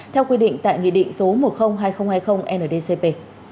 theo quy định tại nghị định số một trăm linh hai nghìn hai mươi ndcp